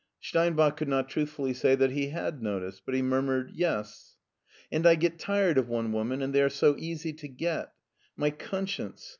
Steinbach could not truthfully say that he had noticed, but he murmured " Yes." *' And I get tired of one woman, and they are so easy to get My conscience!